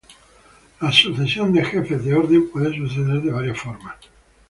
La sucesión de Jefes de Orden puede suceder de varias formas.